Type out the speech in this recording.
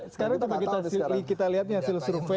sekarang kita lihat hasil survei